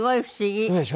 そうでしょ。